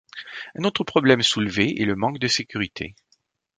Un autre problème soulevé est le manque de sécurité.